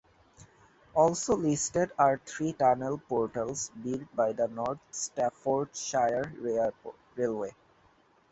Also listed are three tunnel portals built by the North Staffordshire Railway.